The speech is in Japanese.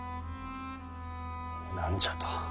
何じゃと。